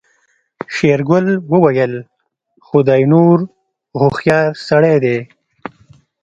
شېرګل وويل خداينور هوښيار سړی دی.